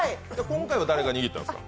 今回は誰が握ったんですか？